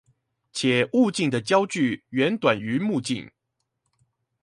且物鏡的焦距遠短於目鏡